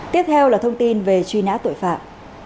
tiếp theo là thông tin về truy nã tội phạm